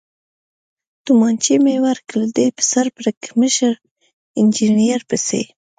تومانچه مې ورکړل، دی په سر پړکمشر انجنیر پسې.